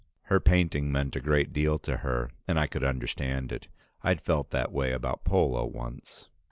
Her painting meant a great deal to her, and I could understand it. I'd felt that way about polo once.